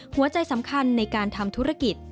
หัวใจสำคัญในการทำธุรกิจ